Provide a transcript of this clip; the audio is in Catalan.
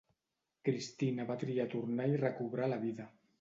Cristina va triar tornar i recobrar la vida.